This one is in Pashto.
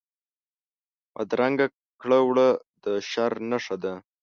بدرنګه کړه وړه د شر نښه ده